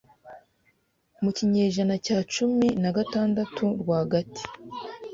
Mu kinyejana cya cumi na gatandatu rwagati